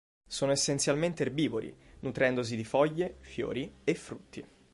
Sono essenzialmente erbivori, nutrendosi di foglie, fiori e frutti.